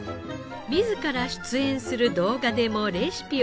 自ら出演する動画でもレシピを紹介。